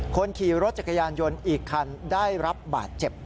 คนขี่รถจักรยานยนต์อีกคันได้รับบาดเจ็บ